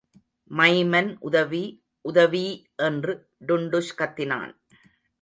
Maiman உதவி உதவி! என்று டுன்டுஷ் கத்தினான்.